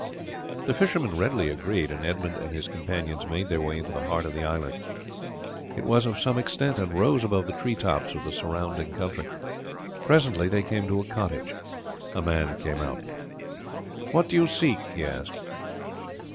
The fisherman readily agreed, and Edmund and his companions made their way into the heart of the island. It was of some extent, and rose above the tree tops of the surrounding country. Presently they came to a cottage. A man came out. "What do you seek?" he asked.